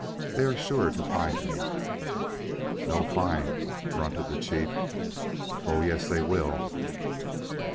They are sure to find me." "No find," grunted the chief. "Oh, yes they will."